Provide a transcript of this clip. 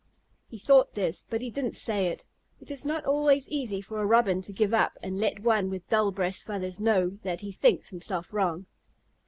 He thought this, but he didn't say it. It is not always easy for a Robin to give up and let one with dull breast feathers know that he thinks himself wrong.